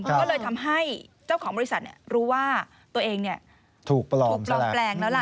ก็เลยทำให้เจ้าของบริษัทรู้ว่าตัวเองถูกปลอมแปลงแล้วล่ะ